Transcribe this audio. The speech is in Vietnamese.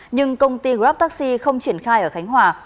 nhưng công ty grab taxi không triển khai ở khánh hòa